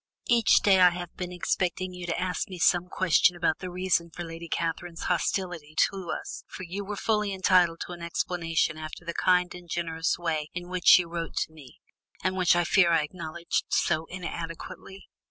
Each day I have been expecting you to ask me some question about the reason for Lady Catherine's hostility to us, for you were fully entitled to an explanation after the kind and generous way in which you wrote to me, and which I fear I acknowledged so inadequately."